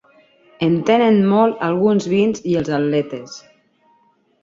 En tenen molt alguns vins i els atletes.